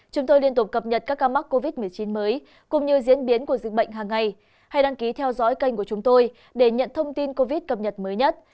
các bạn hãy đăng ký kênh của chúng tôi để nhận thông tin cập nhật mới nhất